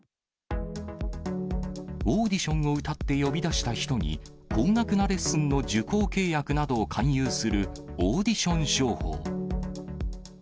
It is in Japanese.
オーディションをうたって呼び出した人に、高額なレッスンの受講契約などを勧誘するオーディション商法。